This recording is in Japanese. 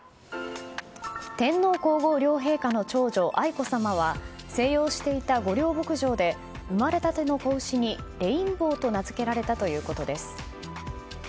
天皇・皇后両陛下の長女愛子さまは静養していた御料牧場で生まれたての子牛にレインボーと名付けられたということです。